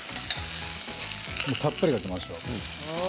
たっぷりかけましょう。